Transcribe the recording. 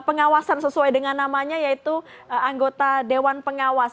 pengawasan sesuai dengan namanya yaitu anggota dewan pengawas